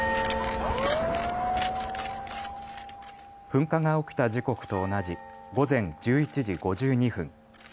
噴火が起きた時刻と同じ午前１１時５２分。